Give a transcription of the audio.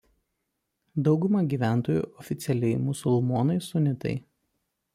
Dauguma gyventojų oficialiai yra musulmonai sunitai.